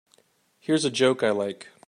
Here's a joke I like.